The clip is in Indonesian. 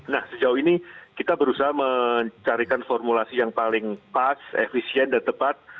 nah sejauh ini kita berusaha mencarikan formulasi yang paling pas efisien dan tepat